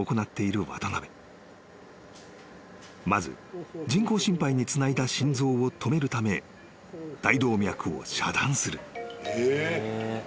［まず人工心肺につないだ心臓を止めるため大動脈を遮断する］